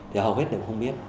thì hầu hết đều không biết